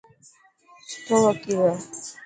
سٺو وڪيل هي.